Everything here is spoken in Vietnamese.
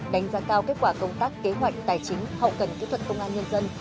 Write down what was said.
đánh giá cao kết quả công tác kế hoạch tài chính hậu cần kỹ thuật công an nhân dân